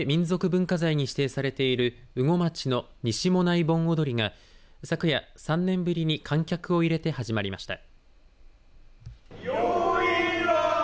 文化財に指定されている羽後町の西馬音内盆踊りが昨夜３年ぶりに観客を入れて始まりました。